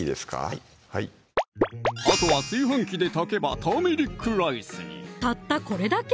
はいあとは炊飯器で炊けばターメリックライスにたったこれだけ？